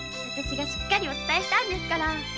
しっかりお伝えしたんですから。